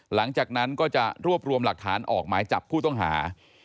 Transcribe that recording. หลังจากนั้นก็จะรวบรวมหลักฐานออกหมายจับผู้ต้องหา